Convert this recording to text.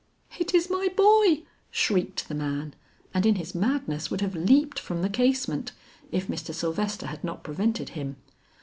"It is my boy!" shrieked the man, and in his madness would have leaped from the casement, if Mr. Sylvester had not prevented him.